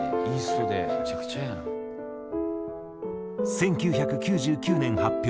１９９９年発表